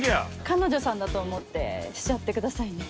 彼女さんだと思ってしちゃってくださいね。